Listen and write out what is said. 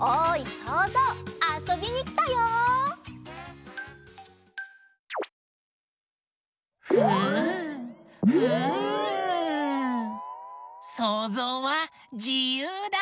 そうぞうはじゆうだ！